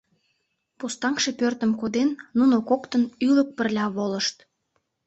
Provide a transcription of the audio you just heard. Пустаҥше пӧртым коден, нуно коктын ӱлык пырля волышт.